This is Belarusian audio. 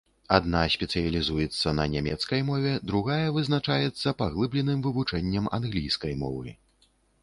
Адна спецыялізуецца на нямецкай мове, другая вызначаецца паглыбленым вывучэннем англійскай мовы.